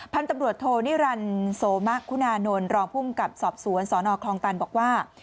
พันธุ์ตำรวจโทนิรันดิ์โสมะคุณานนท์รองภูมิกับสอบสวนสนคลองตันบอกว่า